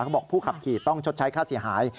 บอกผู้ขับขี่ต้องชดใช้ค่าเสียหาย